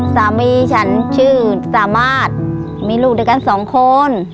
สามีฉันชื่อสามารถมีลูกด้วยกันสองคน